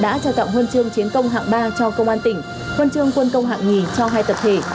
đã trao tặng huân chương chiến công hạng ba cho công an tỉnh huân chương quân công hạng hai cho hai tập thể